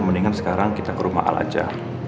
mendingan sekarang kita ke rumah al aja